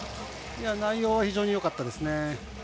内容は非常によかったですね。